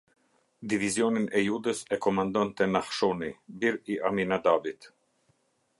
Divizionin e Judës e komandonte Nahshoni, bir i Aminadabit.